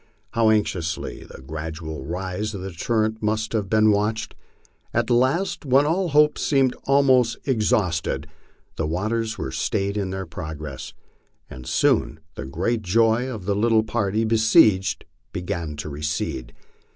How anx iously the gradual rise of the torrent must have been watched. At last, when all hope seemed almost exhausted, the waters were stayed in their progress, and soon, to the great joy of the little party besieged, began to recede.